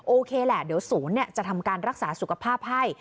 โอเคแหละเดี๋ยวศูนย์จะทำการรักษาสุขภาพให้